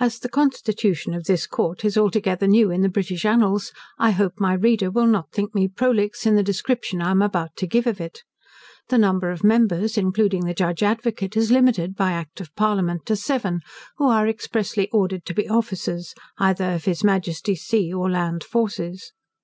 As the constitution of this court is altogether new in the British annals, I hope my reader will not think me prolix in the description I am about to give of it. The number of members, including the judge Advocate, is limited, by Act of Parliament, to seven, who are expressly ordered to be officers, either of His Majesty's sea or land forces.